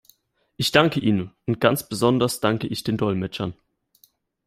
Ich danke Ihnen, und ganz besonders danke ich den Dolmetschern.